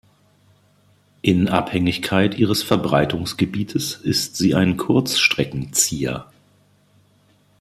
In Abhängigkeit ihres Verbreitungsgebietes ist sie ein Kurzstreckenzieher.